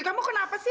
kamu kenapa sih